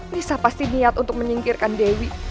nisa pasti niat untuk menyingkirkan dewi